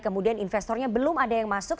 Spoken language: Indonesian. kemudian investornya belum ada yang masuk